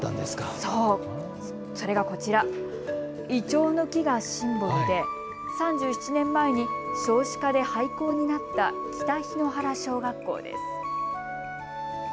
それがこちら、イチョウの木がシンボルで３７年前に少子化で廃校になった北檜原小学校です。